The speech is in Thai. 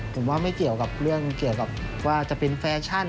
ผมว่าไม่เกี่ยวกับเรื่องเกี่ยวกับว่าจะเป็นแฟชั่น